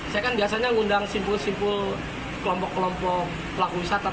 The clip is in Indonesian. saya kan biasanya ngundang simpul simpul kelompok kelompok pelaku wisata